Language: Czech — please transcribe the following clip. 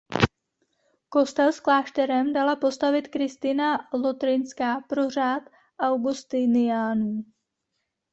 Kostel s klášterem dala postavit Kristina Lotrinská pro řád augustiniánů.